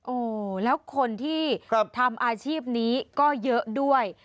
โอ้แล้วคนที่ทำอาชีพนี้ก็เยอะด้วย